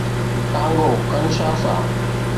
Congo - Kinshasa